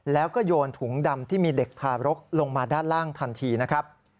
แล้วก็โยนถุงดำที่มีเด็กทารกลงมาด้านล่างทันทีนะครับ